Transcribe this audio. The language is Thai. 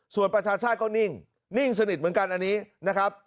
ส่วนประชาชาติก็นิ่งนิ่งสนิทเหมือนกันอันนี้นะครับ